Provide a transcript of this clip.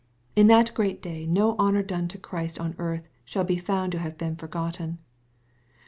In that great day no honor done to Christ on earth shall be found to have been forgotten. /The MATTHEW, CHAP.